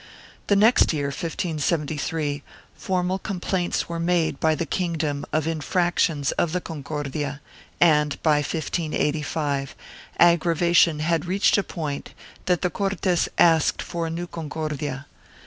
2 The next year, 1573, formal complaints were made by the kingdom of infrac tions of the Concordia and, by 1585, aggravation had reached a point that the Cortes asked for a new concordia.